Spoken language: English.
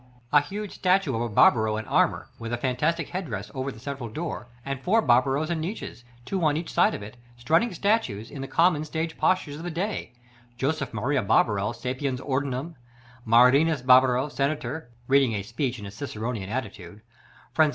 A huge statue of a Barbaro in armor, with a fantastic head dress, over the central door; and four Barbaros in niches, two on each side of it, strutting statues, in the common stage postures of the period, Jo. Maria Barbaro, sapiens ordinum; Marinus Barbaro, Senator (reading a speech in a Ciceronian attitude); Franc.